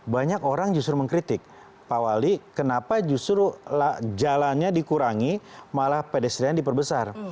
banyak orang justru mengkritik pak wali kenapa justru jalannya dikurangi malah pedestrian diperbesar